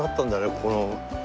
ここの。